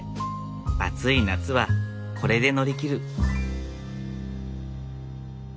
暑い夏はこれで乗り切る。